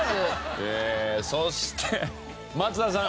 そして松田さん。